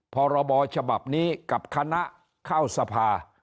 พรบฉบับนี้กับคณะเข้าสภา